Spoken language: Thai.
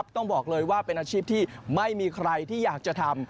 ต้องบอกเลยว่าเป็นอาชีพที่ไม่มีใครที่อยากจะทำ